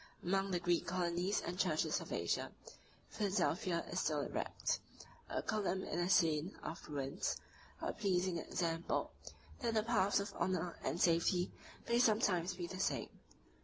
Among the Greek colonies and churches of Asia, Philadelphia is still erect; a column in a scene of ruins; a pleasing example, that the paths of honor and safety may sometimes be the same.